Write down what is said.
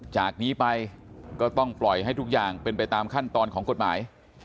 จากนี้ไปก็ต้องปล่อยให้ทุกอย่างเป็นไปตามขั้นตอนของกฎหมาย